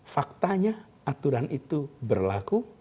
faktanya aturan itu berlaku